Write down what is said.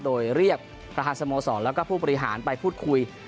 โดยเรียกประธานสโมสรแล้วก็ผู้บริหารไปพูดคุย